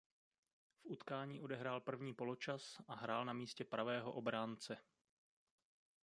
V utkání odehrál první poločas a hrál na místě pravého obránce.